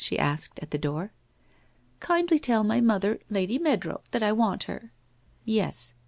' she asked, at the door. ' Kindly tell my mother, Lady Meadrow, that I want her/ ' Yes.